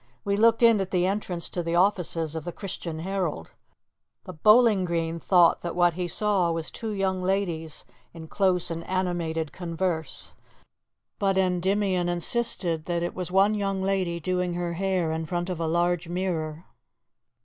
We looked in at the entrance to the offices of the Christian Herald. The Bowling Green thought that what he saw was two young ladies in close and animated converse; but Endymion insisted that it was one young lady doing her hair in front of a large mirror.